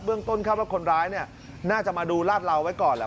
เบื้องต้นครับว่าคนร้ายเนี่ยน่าจะมาดูราดราวไว้ก่อนแหละ